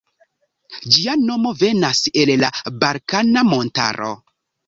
Ĝia nomo venas el la Balkana Montaro.